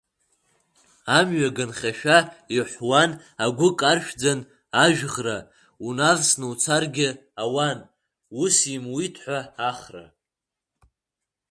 Амҩа аганахьшәа иҳәуан, агәы каршәӡан ажәӷра, унавсны уцаргь ауан, ус имуит ҳәа Ахра.